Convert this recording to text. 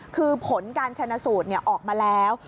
คือผลการชนะสูตรออกมาแล้ว